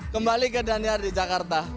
kembali ke daniar di jakarta